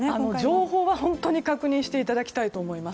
情報は本当に確認していただきたいと思います。